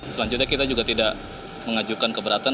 selanjutnya kita juga tidak mengajukan keberatan